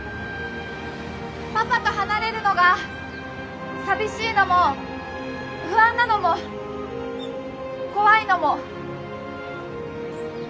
パパと離れるのが寂しいのも不安なのも怖いのも！